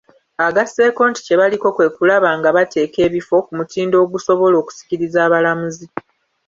Agasseeko nti kye baliko kwe kulaba nga bateeka ebifo ku mutindo ogusobola okusikiriza abalambuzi.